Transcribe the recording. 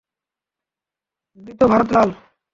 মৃত ভারত লাল।